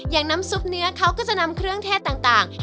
อย่างน้ำซุปเนื้อเขาก็จะนำเครื่องเทศต่าง